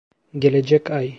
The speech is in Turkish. Gelecek ay.